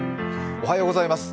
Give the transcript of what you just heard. おはようございます。